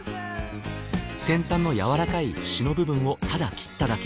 先端のやわらかい節の部分をただ切っただけ。